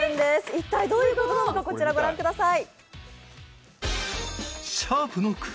一体どういうことなのかこちら御覧ください。